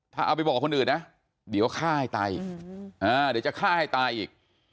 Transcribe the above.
ถ้าเอาไปบอกคนอื่นนะเดี๋ยวฆ่าให้ตายเดี๋ยวจะฆ่าให้ตายอีก